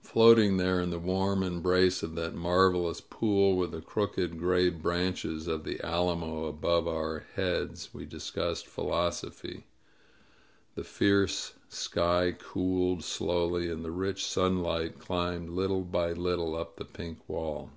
Floating there in the warm embrace of that marvelous pool, with the crooked gray branches of the alamo above our heads, we discussed philosophy. The fierce sky cooled slowly, and the rich sunlight climbed little by little up the pink wall.